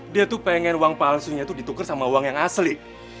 dia tuh pengen uang palsunya itu ditukar sama uang yang asli